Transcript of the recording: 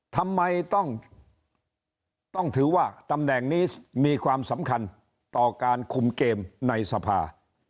ทำไมต้องถือว่าตำแหน่งนี้มีความสำคัญต่อการคุมเกมในสภา